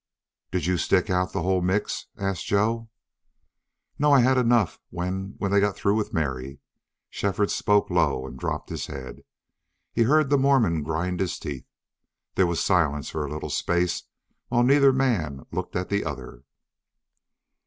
"Did you stick out the whole mix?" asked Joe. "No. I had enough when when they got through with Mary." Shefford spoke low and dropped his head. He heard the Mormon grind his teeth. There was silence for a little space while neither man looked at the other.